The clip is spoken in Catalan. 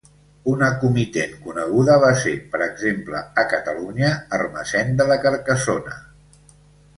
Una comitent coneguda va ser, per exemple, a Catalunya, Ermessenda de Carcassona.